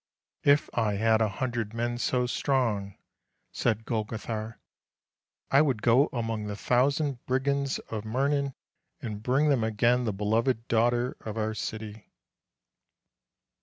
" If I had a hundred men so strong," said Golgo thar, " I would go among the thousand brigands of Mirnan, and bring again the beloved daughter of our city."